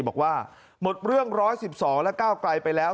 บอกว่าหมดเรื่อง๑๑๒และก้าวไกลไปแล้ว